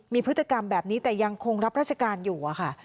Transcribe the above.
มีพฤติกรรมแบบนี้แต่ยังคงรับราชการอยู่อะค่ะ